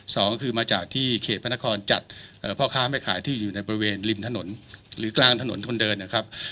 สองก็คือมาจากที่เขตพระนครจัดพ่อค้าแม่ขายที่อยู่ในบริเวณริมถนนหรือกลางถนนคนเดินนะครับ